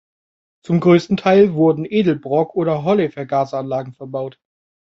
Zum größten Teil wurden Edelbrock- oder Holley-Vergaser-Anlagen verbaut.